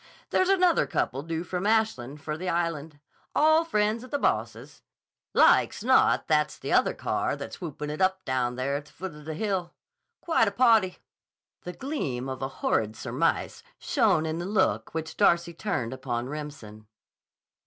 "There's another couple due from Ashland for the Island. All friends of the boss's. Like's not that's the other car that's whoopin' it up daown there't the foot o' the hill. Quite a pa'ty." The gleam of a horrid surmise shone in the look which Darcy turned upon Remsen.